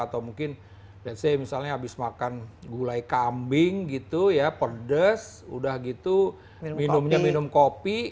atau mungkin misalnya habis makan gulai kambing pedas udah gitu minumnya minum kopi